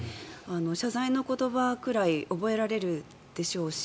謝罪の言葉くらい覚えられるでしょうし